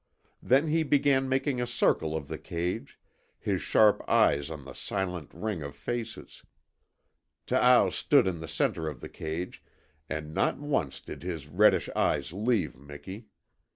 Then he began making a circle of the cage, his sharp eyes on the silent ring of faces. Taao stood in the centre of the cage, and not once did his reddish eyes leave Miki.